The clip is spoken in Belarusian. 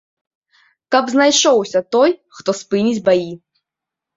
Каб знайшоўся той, хто спыніць баі.